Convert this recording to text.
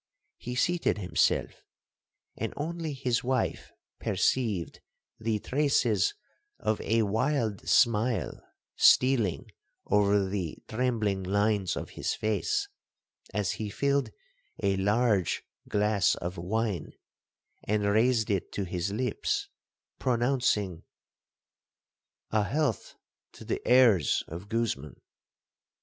He seated himself, and only his wife perceived the traces of a wild smile stealing over the trembling lines of his face, as he filled a large glass of wine, and raised it to his lips, pronouncing—'A health to the heirs of Guzman.'